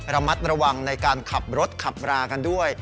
ระมัดระวังในการขับรถขับรากันด้วย